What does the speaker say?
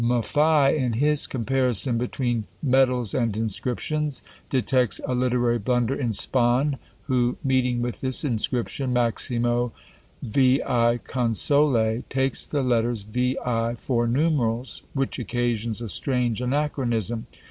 Maffei, in his comparison between Medals and Inscriptions, detects a literary blunder in Spon, who, meeting with this inscription, Maximo VI Consule takes the letters VI for numerals, which occasions a strange anachronism.